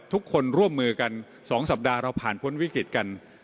ทุกคนร่วมมือกัน๒สัปดาห์เราผ่านพ้นวิกฤตกัน